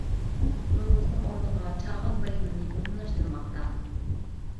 نورۇزنىڭ ئورنىغا چاغان بايرىمىنى ئومۇملاشتۇرماقتا.